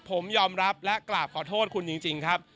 ผมยอมรับและกราบขอโทษคุณจริงครับ